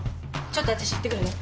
ちょっと私行ってくるね。